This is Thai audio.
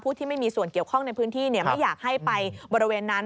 ที่ไม่มีส่วนเกี่ยวข้องในพื้นที่ไม่อยากให้ไปบริเวณนั้น